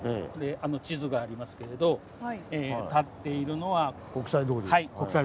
これ地図がありますけれど立っているのは。